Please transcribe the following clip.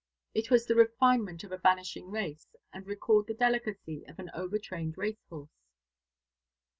It was the refinement of a vanishing race, and recalled the delicacy of an over trained racehorse.